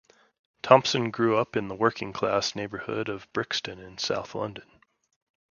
Thompson grew up in the working-class neighbourhood of Brixton in south London.